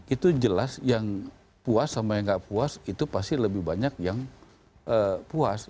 itu jelas yang puas sama yang gak puas itu pasti lebih banyak yang puas